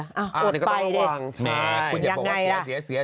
โอ๊ยอันนี้ก็ไม่ว่าวางยังไงล่ะ